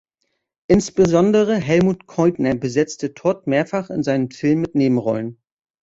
Insbesondere Helmut Käutner besetzte Todd mehrfach in seinen Filmen mit Nebenrollen.